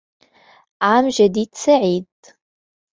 عام جديد سعيد!